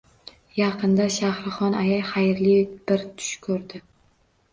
Yaqinda Shahrixon aya xayrli bir tush ko‘rdi.